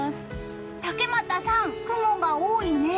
竹俣さん、雲が多いね！